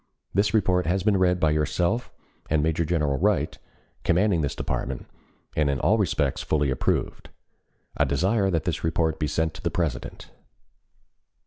This report has been read by yourself and Major General Wright, commanding this department, and in all respects fully approved. I desire that this report be sent to the President.